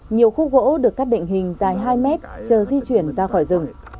nhiều khúc gỗ được cắt định hình dài hai mét chờ di chuyển ra khỏi rừng